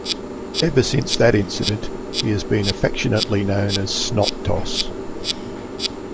Ever since that incident, he has been affectionately known as 'Snot Toss'.